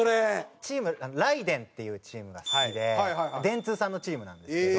ＴＥＡＭＲＡＩＤＥＮ／雷電っていうチームが好きで電通さんのチームなんですけど。